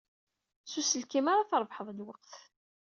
S uselkim ara d-trebḥeḍ lweqt.